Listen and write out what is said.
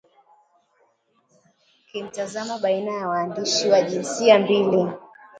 kimtazamo baina ya waandishi wa jinsia mbili